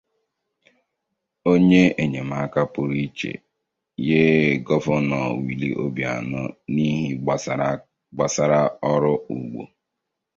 onye enyemaka pụrụ iche nye Gọvanọ Willie Obianọ n'ihe gbasaara ọrụ ugbo